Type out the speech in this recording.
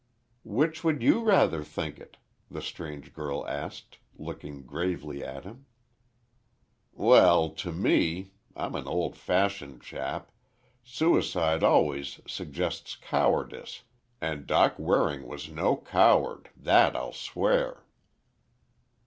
"Which would you rather think it?" the strange girl asked, looking gravely at him. "Well, to me—I'm an old fashioned chap—suicide always suggests cowardice, and Doc Waring was no coward, that I'll swear!"